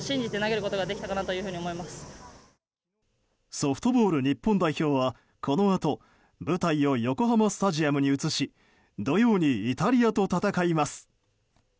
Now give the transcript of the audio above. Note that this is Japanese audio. ソフトボール日本代表はこのあと舞台を横浜スタジアムに移し土曜にイタリアと戦います。